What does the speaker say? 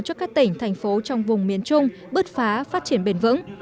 cho các tỉnh thành phố trong vùng miền trung bứt phá phát triển bền vững